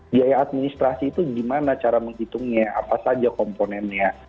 biaya administrasi itu gimana cara menghitungnya apa saja komponennya